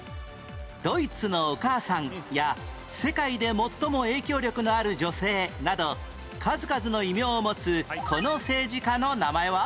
ドイツのお母さんや世界で最も影響力のある女性など数々の異名を持つこの政治家の名前は？